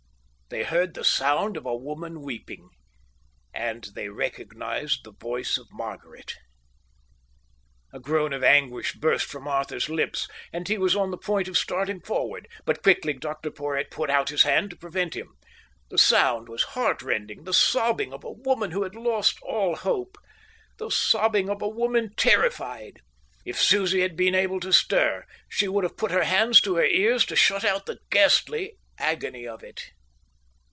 They heard the sound of a woman weeping, and they recognized the voice of Margaret. A groan of anguish burst from Arthur's lips, and he was on the point of starting forward. But quickly Dr Porhoët put out his hand to prevent him. The sound was heartrending, the sobbing of a woman who had lost all hope, the sobbing of a woman terrified. If Susie had been able to stir, she would have put her hands to her ears to shut out the ghastly agony of it.